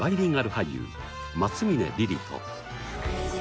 俳優松峰莉璃と。